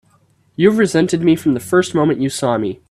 You've resented me from the first moment you saw me!